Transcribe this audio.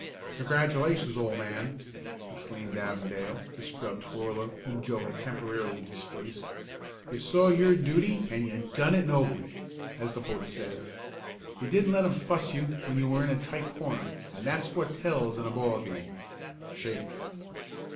"Congratulations, old man!" exclaimed Avondale, the scrub twirler whom Joe had temporarily displaced. "You saw your duty and you done it nobly, as the poet says. You didn't let 'em fuss you when you were in a tight corner, and that's what tells in a ball game. Shake!"